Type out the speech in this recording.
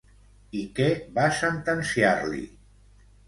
I què va sentenciar-li?